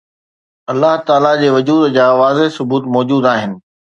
الله تعاليٰ جي وجود جا واضح ثبوت موجود آهن